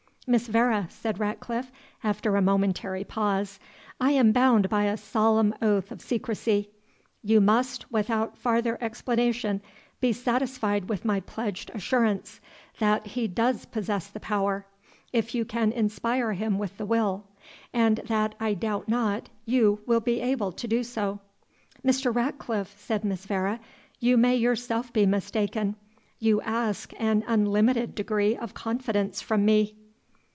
"Miss Vere." said Ratcliffe, after a momentary pause, "I am bound by a solemn oath of secrecy You must, without farther explanation, be satisfied with my pledged assurance, that he does possess the power, if you can inspire him with the will; and that, I doubt not, you will be able to do." "Mr. Ratcliffe," said Miss Vere, "you may yourself be mistaken; you ask an unlimited degree of confidence from me."